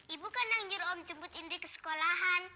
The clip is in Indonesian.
ibu kan yang nyuruh om jemput indri ke sekolahan